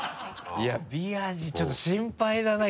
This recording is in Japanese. いや備安士ちょっと心配だな